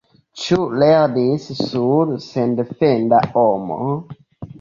Ĉu lernis sur sendefenda homo?